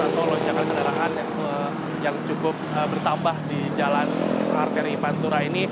atau lonjakan kendaraan yang cukup bertambah di jalan arteri pantura ini